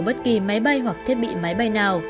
bất kỳ máy bay hoặc thiết bị máy bay nào